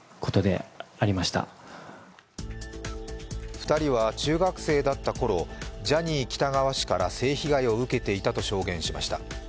２人は中学生だったころ、ジャニー喜多川氏から性被害を受けていたと証言しました。